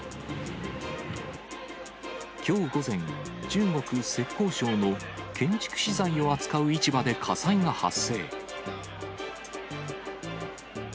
きょう午前、中国・浙江省の建築資材を扱う市場で火災が発生。